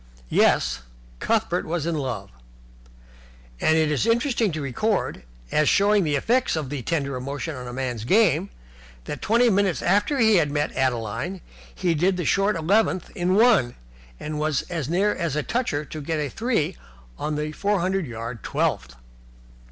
Yes, Cuthbert was in love: and it is interesting to record, as showing the effect of the tender emotion on a man's game, that twenty minutes after he had met Adeline he did the short eleventh in one, and as near as a toucher got a three on the four hundred yard twelfth.